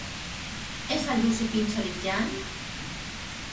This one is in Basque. Ez al duzu pintxorik jan?